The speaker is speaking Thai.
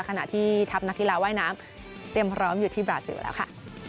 ขณะที่ทัพนักกีฬาว่ายน้ำเตรียมพร้อมอยู่ที่บราซิลแล้วค่ะ